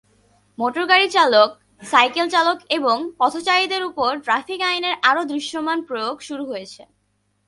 মোটরগাড়ি চালক, সাইকেল চালক এবং পথচারীদের উপর ট্রাফিক আইনের আরও দৃশ্যমান প্রয়োগ শুরু হয়েছে।